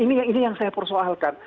ini yang saya persoalkan